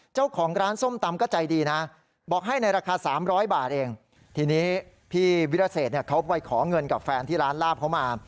เจ้าของร้านส้มตำก็ใจดีนะบอกให้ในราคา๓๐๐บาทเองทีนี้พี่วิรเศษเนี่ยเขาไปขอเงินกับแฟนที่ร้านลาบเขามา